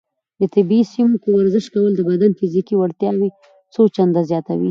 په طبیعي سیمو کې ورزش کول د بدن فزیکي وړتیاوې څو چنده زیاتوي.